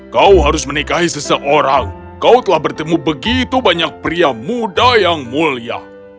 kau harus menikahi seseorang kau telah bertemu begitu banyak pria muda yang mulia